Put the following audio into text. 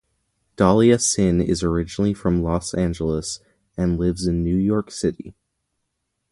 Dahlia Sin is originally from Los Angeles and lives in New York City.